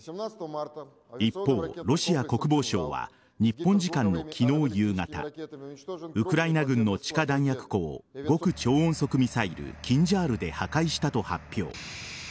一方、ロシア国防省は日本時間の昨日夕方ウクライナ軍の地下弾薬庫を極超音速ミサイルキンジャールで破壊したと発表。